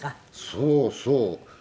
そうそう。